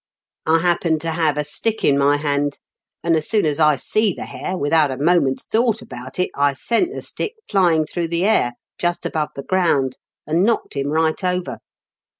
I happened to have a stick in my hand, and as soon as I see the hare, without a moment's thought about it, I sent the stick flying through the air just above the ground, and knocked him right over.